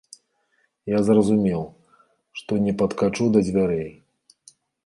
Я зразумеў, што не падкачу да дзвярэй.